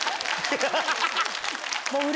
ハハハハ！